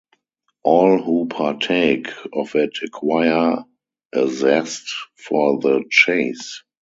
All who partake of it acquire a zest for the chase.